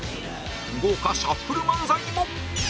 豪華シャッフル漫才も！